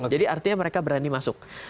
jadi artinya mereka berani masuk